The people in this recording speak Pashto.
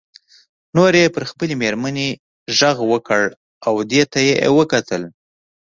نو یې پر خپلې میرمنې غږ وکړ او دې ته یې وکتل.